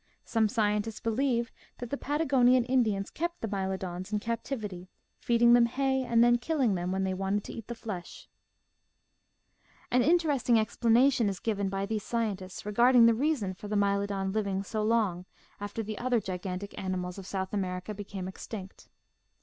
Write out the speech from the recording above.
Some scientists believe that the Pata gonian Indians kept the Mylodons in captivity, feeding them hay, and then killing them when they wanted to eat the flesh. SOME SOUTH AMERICAN RULERS 139 An interesting explanation is given by these scientists regarding the reason for the Mylodon living so long after the other gigantic animals of South America became extinct.